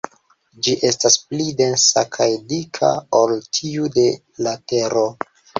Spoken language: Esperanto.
Ĝi estas pli densa kaj dika ol tiu de la Tero.